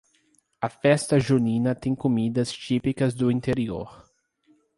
A Festa junina tem comidas típicas do interior